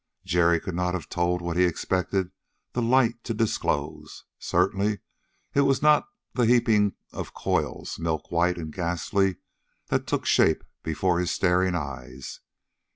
Jerry could not have told what he expected the light to disclose. Certainly it was not the heaping of coils, milk white and ghastly, that took shape before his staring eyes.